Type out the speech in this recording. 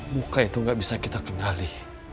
muka itu gak bisa kita kenali